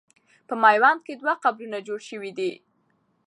په میوند کې دوه قبرونه جوړ سوي دي.